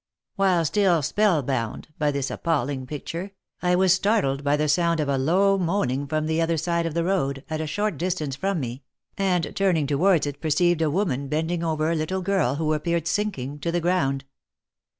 While still spell bound by this appalling picture, I was startled by the sound of a low moaning from the other side of the road, at a short distance from me, and turning towards it perceived a woman bending over a little girl who appeared sinking to the ground.